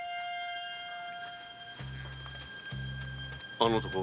あの男